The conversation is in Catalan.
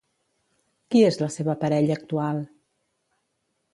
Qui és la seva parella actual?